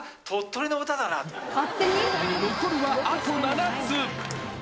あっ、残るはあと７つ。